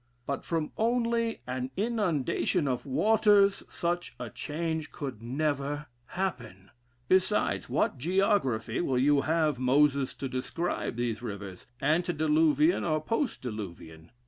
But from only an inundation of waters such a change could never happen. Besides, what geography will you have Moses to describe these rivers, ante diluvian or post diluvian'?